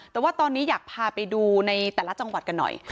แต่ว่าตอนนี้อยากพาไปดูในแต่ละจังหวัดกันหน่อย